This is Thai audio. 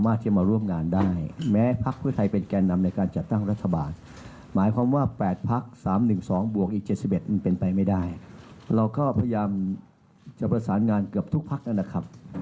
เราก็พยายามจะประสานงานเกือบทุกพักนะครับ